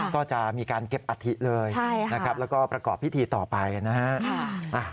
ก็จะมีการเก็บอัฐิเลยนะครับแล้วก็ประกอบพิธีต่อไปนะฮะ